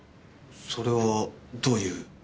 それはどういう？